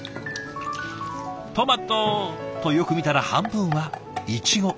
トマトとよく見たら半分はイチゴ。